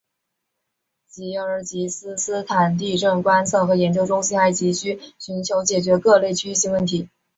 吉尔吉斯斯坦地震观测和研究中心还积极寻求解决各类区域性问题。